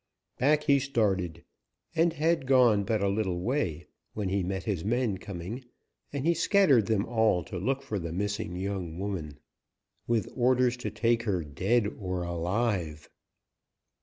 Back he started, and had gone but a little way when he met his men coming, and he scattered them all to look for the missing young woman, with orders to take her dead or alive.